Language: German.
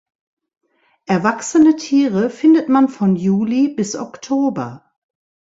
Erwachsene Tiere findet man von Juli bis Oktober.